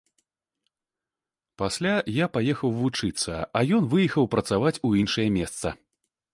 Пасля я паехаў вучыцца, а ён выехаў працаваць у іншае месца.